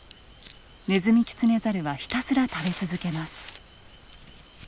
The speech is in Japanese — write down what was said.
ネズミキツネザルはひたすら食べ続けます。